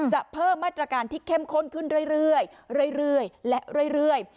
เพิ่มมาตรการที่เข้มข้นขึ้นเรื่อยและเรื่อย